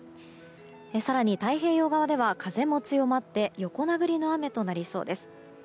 更に、太平洋側では風も強まって横殴りの雨となりそうです。